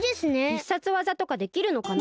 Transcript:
必殺技とかできるのかな？